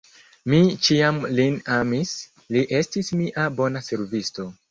Mi ĉiam lin amis, li estis mia bona servisto.